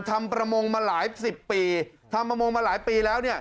ทำประมงมาหลายสิบปีทำประมงมาหลายปีแล้วเนี่ย